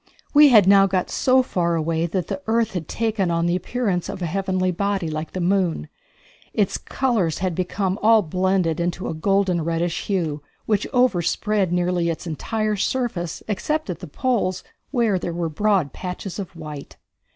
We had now got so far away that the earth had taken on the appearance of a heavenly body like the moon. Its colors had become all blended into a golden reddish hue, which overspread nearly its entire surface, except at the poles, where there were broad patches of white.